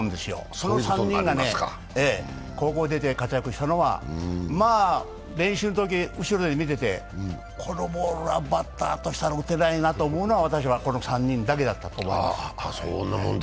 その３人、高校を出て活躍したのは練習のとき後ろで見ててこのボールはバッターとしては打てないなと思うのは、私はこの３人だけだと思います。